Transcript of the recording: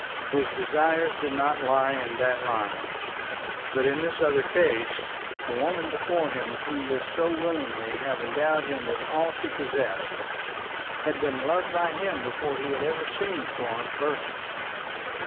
His desires did not lie in that line. But in this other case, the woman before him who would so willingly have endowed him with all that she possessed, had been loved by him before he had ever seen Florence Burton.